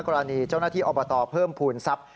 กรณีเจ้าหน้าที่อบตเพิ่มภูมิทรัพย์